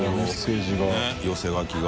佑寄せ書きが。